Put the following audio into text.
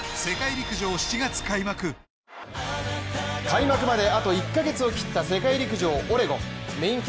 開幕まであと１カ月を切った世界陸上オレゴン。